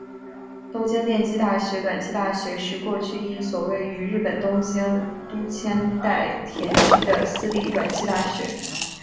东京电机大学短期大学是过去一所位于日本东京都千代田区的私立短期大学。